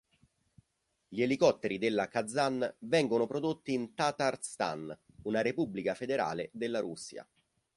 Gli elicotteri della Kazan vengono prodotti in Tatarstan, una repubblica federale della Russia.